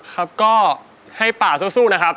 ก็ให้ป่าสู้นะครับ